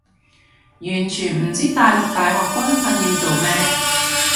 完全唔知大陸大學軍訓要做咩